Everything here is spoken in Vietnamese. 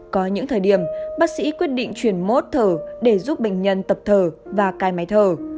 có những thời điểm bác sĩ quyết định chuyển mốt thở để giúp bệnh nhân tập thở và cai máy thở